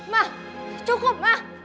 ma cukup ma